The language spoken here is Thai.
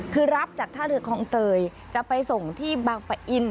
คือรับจากท่าเรือคลองเตยจะไปส่งที่บางปะอิน